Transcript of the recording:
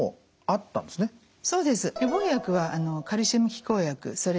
そうです。